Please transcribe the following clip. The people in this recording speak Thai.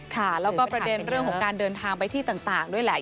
ค่ะแล้วก็ประเด็นเรื่องของการเดินทางไปที่ต่างด้วยแหละ